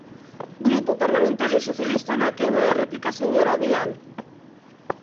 Grupo Parlamentario Socialista na quenda de réplica, señora Vilán.